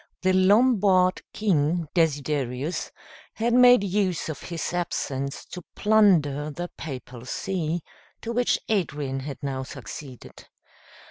The Lombard king, Desiderius, had made use of his absence to plunder the papal see, to which Adrian had now succeeded.